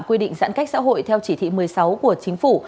quy định giãn cách xã hội theo chỉ thị một mươi sáu của chính phủ